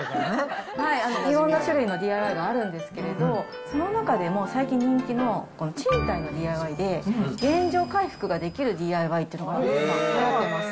いろんな種類のＤＩＹがあるんですけれど、その中でも最近人気の、賃貸のＤＩＹで、原状回復ができるＤＩＹってのがはやってます。